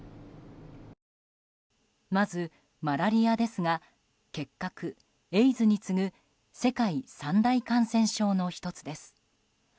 まずマラリアですが結核、エイズに次ぐ世界三大感染症の１つです。